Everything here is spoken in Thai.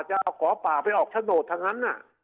จะเอาขวาป่าไปออกชะโนธทางนั้น